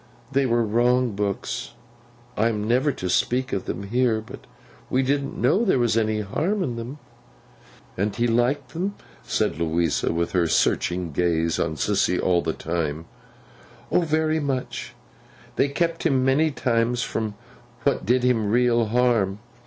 They were wrong books—I am never to speak of them here—but we didn't know there was any harm in them.' 'And he liked them?' said Louisa, with a searching gaze on Sissy all this time. 'O very much! They kept him, many times, from what did him real harm.